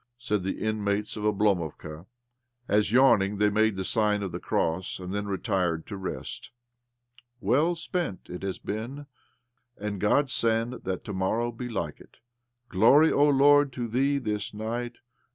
" said the inmates of Oblomovka as, yawning, they made the sign of the cross and then OBLOMOV 109 retired to rest. " Well spent it has been, and God send that to morrow be like it. Glory, О Lord, to Thee this night